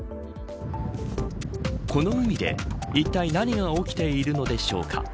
この海で、いったい何が起きているのでしょうか。